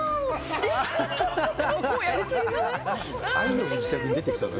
ここ、やり過ぎじゃない。